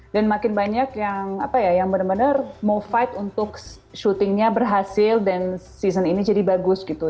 dan makin banyak yang bener bener mau fight untuk syutingnya berhasil dan season ini jadi bagus gitu